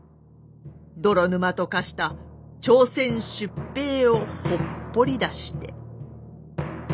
泥沼と化した朝鮮出兵をほっぽり出して。